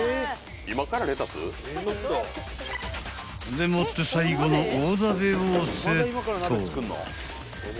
でもって最後の大鍋をセット］